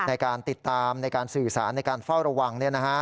ในการติดตามในการสื่อสารในการเฝ้าระวัง